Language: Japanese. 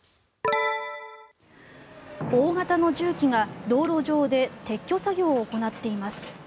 大型の重機が道路上で撤去作業を行っています。